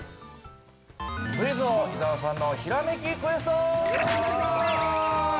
◆クイズ王・伊沢さんの「ひらめきクエスト」！